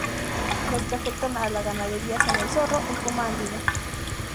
Los que afectan a la ganadería son el zorro, el puma andino.